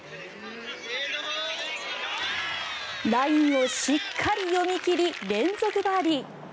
ラインをしっかり読み切り連続バーディー。